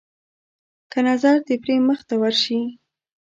که نظر د پري مخ ته وشي.